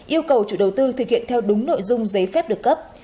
yêu cầu chủ đầu tư thực hiện theo đúng nội dung giấy phép được cấp